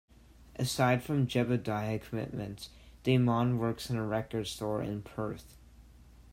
Aside from Jebediah commitments, Daymond works in a record store in Perth.